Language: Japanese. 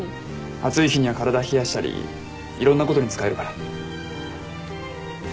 暑い日には体冷やしたりいろんなことに使えるから。